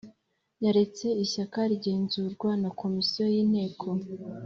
yaretse ishyaka rigenzurwa na comisiyo y' inteko